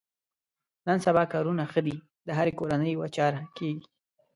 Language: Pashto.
نن سبا کارونه ښه دي د هرې کورنۍ یوه چاره کېږي.